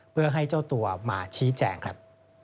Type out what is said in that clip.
เพื่อให้เจ้าตัวมาชี้แจงครับ